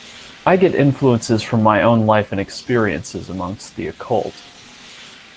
I get influences from my own life and experiences amongst the occult.